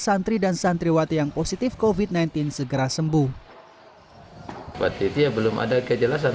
santri dan santriwati yang positif kofit sembilan belas segera sembuh waktu itu belum ada kejelasan